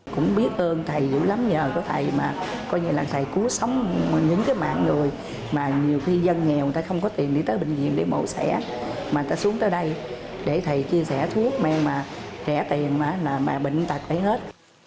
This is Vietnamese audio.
cũng biết ơn thầy dũng lắm nhờ có thầy mà coi như là thầy cú sống những cái mạng người mà nhiều khi dân nghèo người ta không có tiền đi tới bệnh viện để mổ xẻ mà người ta xuống tới đây để thầy chia sẻ thuốc men mà rẻ tiền mà bệnh tật phải hết